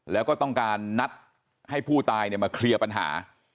แล้วก็ต้องการนัดให้ผู้ตายมาเคลียร์ปัญหา